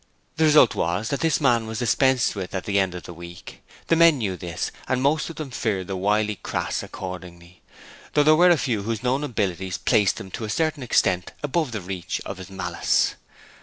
The result was that this man was dispensed with at the end of the week. The men knew this, and most of them feared the wily Crass accordingly, though there were a few whose known abilities placed them to a certain extent above the reach of his malice.